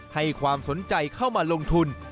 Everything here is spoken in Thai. ให้ความสนใจเข้ามาลงทุน